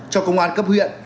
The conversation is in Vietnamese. cho công an cấp huyện